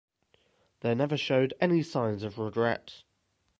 They never showed any signs of regret.